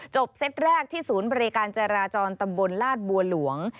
เซตแรกที่ศูนย์บริการจราจรตำบลลาดบัวหลวง